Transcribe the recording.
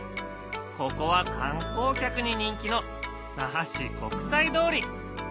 ここは観光客に人気の那覇市国際通り。